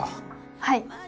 はい。